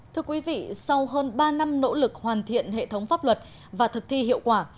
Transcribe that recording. thưa quý vị sau hơn ba năm nỗ lực hoàn thiện hệ thống pháp luật và thực thi hiệu quả